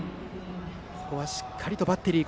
ここはしっかりバッテリーが。